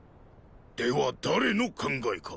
では誰の考えか。